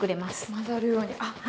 混ざるように。